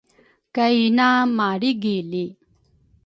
kay ina malrigili.